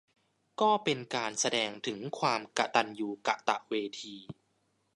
ก็เป็นการแสดงถึงความกตัญญูกตเวที